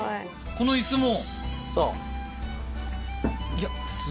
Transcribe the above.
この椅子も？